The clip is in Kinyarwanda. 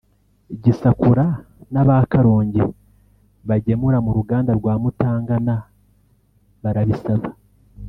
Gisakura n’aba Karongi bagemura mu ruganda rwa Mutangana barabisaba